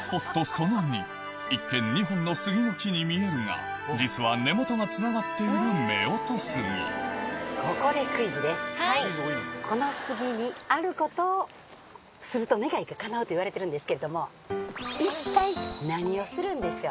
その２一見２本の杉の木に見えるが実は根元がつながっている夫婦杉この杉にあることをすると願いがかなうといわれてるんですけれども一体何をするんでしょう？